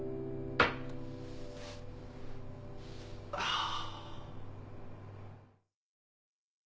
ああ。